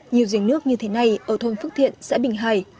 nhiều dống nước như thế này ở thôn phước thiện xã bình hải